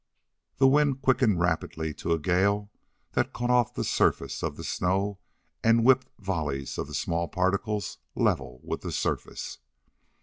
The wind quickened rapidly to a gale that cut off the surface of the snow and whipped volleys of the small particles level with the surface.